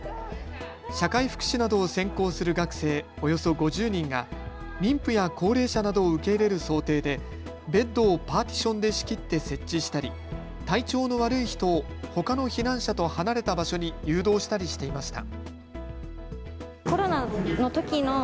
社会福祉などを専攻する学生およそ５０人が妊婦や高齢者などを受け入れる想定でベッドをパーティションで仕切って設置したり体調の悪い人をほかの避難者と離れた場所に誘導したりしていました。